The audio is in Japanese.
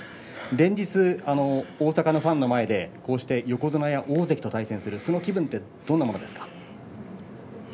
連日、大阪のファンの前でこうして横綱や大関と対戦するその気分はどうですか。